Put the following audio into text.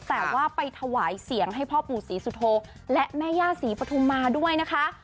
แต่ว่าไปถวายเสียงให้พ่อปู่ศรีสุโธและแม่ย่าศรีปฐุมมาด้วยนะคะ